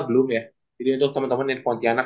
belum ya jadi untuk temen temen yang di pontianak